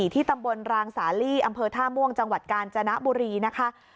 ที่ตำบลรางสาลีอำเภอท่าม่วงจังหวัดกาญจนบุรีนะคะ